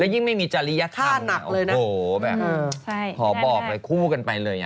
และยิ่งไม่มีจริยธรรมฆ่าหนักเลยนะโอ้โหแบบขอบอกคู่กันไปเลย